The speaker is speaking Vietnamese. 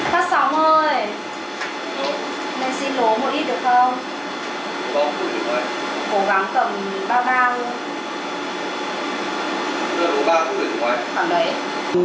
phát sóng ơi